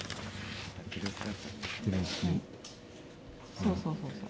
そうそうそうそう。